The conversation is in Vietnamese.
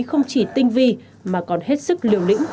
không chỉ tinh vi mà còn hết sức liều lĩnh